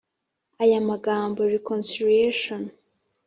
Aya magambo R conciliation